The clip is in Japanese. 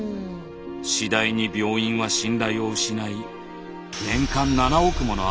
次第に病院は信頼を失い年間７億もの赤字を計上。